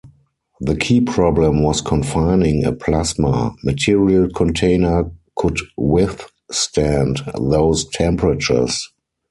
The key problem was "confining" a plasma; material container could withstand those temperatures.